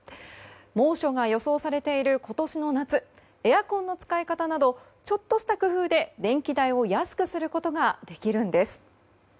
猛暑が予想されている今年の夏エアコンの使い方などちょっとした工夫で電気代を安くすることができるんです。